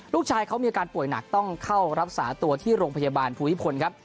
ลูกชายเขามีอาการป่วยหนักต้องเข้ารักษาตัวที่โรงพยาบาลภูมิพลครับ